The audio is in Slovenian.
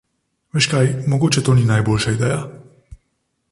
Veš kaj, mogoče to ni najboljša ideja.